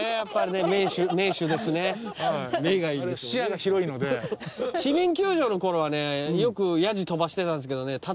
視野が広いので市民球場の頃はねよくやじ飛ばしてたんですけどね